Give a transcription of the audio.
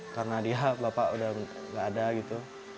karena dia bapak udah gak ada gitu